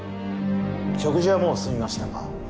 食事はもう済みましたか？